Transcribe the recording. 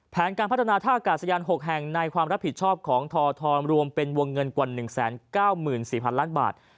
แผนการพัฒนาท่ากาศยาน๖แห่งในความรับผิดชอบของททรวมเป็นวงเงินกว่า๑๙๔๐๐ล้านบาท